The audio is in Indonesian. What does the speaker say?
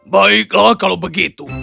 baiklah kalau begitu